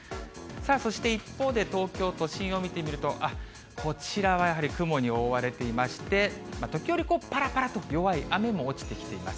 そして、一方で、東京都心を見てみると、こちらはやはり雲に覆われていまして、時折、ぱらぱらと弱い雨も落ちてきています。